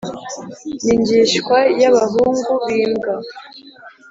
ni njyishywa ya bahungu bimbwa